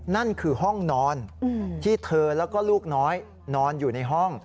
นั่นคือห้องนอนที่เธอแล้วก็ลูกน้อยนอนอยู่ในห้อง